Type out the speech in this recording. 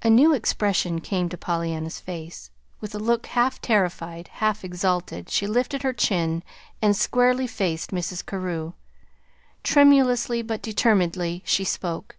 A new expression came to Pollyanna's face. With a look half terrified, half exalted, she lifted her chin and squarely faced Mrs. Carew. Tremulously, but determinedly, she spoke.